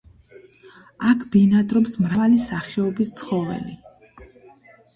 აქ ბინადრობს მრავალი სახეობის ცხოველი.